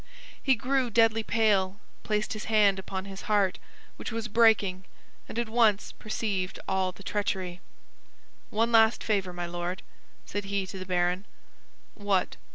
He grew deadly pale, placed his hand upon his heart, which was breaking, and at once perceived all the treachery. "One last favor, my Lord!" said he to the baron. "What?"